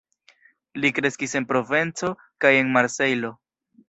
Li kreskis en Provenco kaj en Marsejlo.